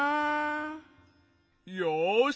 よし。